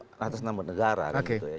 beratas nama negara gitu ya